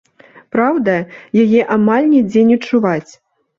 Праўда, яе амаль нідзе не чуваць.